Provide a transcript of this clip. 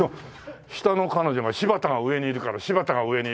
下の彼女が「柴田が上にいるから柴田が上にいるから」ってさ。